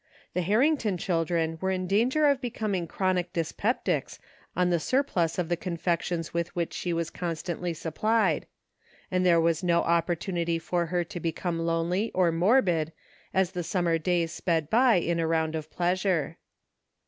The Harrington children were in danger of becoming chronic dyspeptics on the surplus of the confections with which she was constantly supplied ; and there was no opportunity for her to become lonely or morbid as the summer days sped by in a round of pleasure.